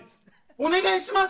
お願いします。